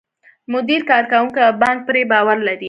مدیر، کارکوونکي او بانک پرې باور لري.